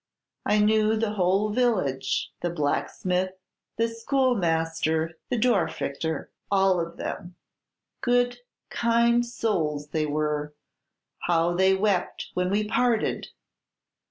I knew the whole village, the blacksmith, the schoolmaster, the Dorfrichter, all of them. Good, kind souls they were: how they wept when we parted!